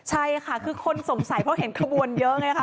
ใช่ค่ะคือคนสงสัยเพราะเห็นขบวนเยอะไงค่ะ